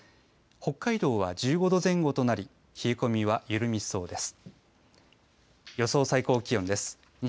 北海道は１５度前後となり冷え込みは緩みそうです。